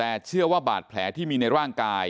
แล้วก็ช่วยกันนำนายธีรวรรษส่งโรงพยาบาล